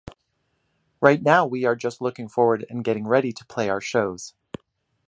Right now we are just looking forward and getting ready to play our shows.